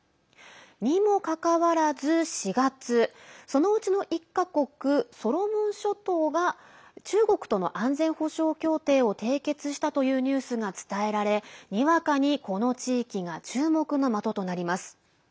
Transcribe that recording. にもかかわらず、４月そのうちの１か国ソロモン諸島が中国との安全保障協定を締結したというニュースが伝えられにわかに、この地域が注目の的となります。